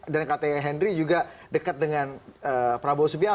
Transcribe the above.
dan kata henry juga dekat dengan prabowo subiang